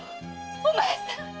お前さん！